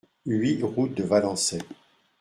huit route de Valençay